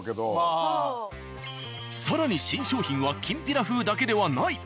更に新商品はきんぴら風だけではない。